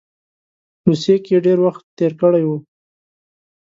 روسیې کې ډېر وخت تېر کړی وو.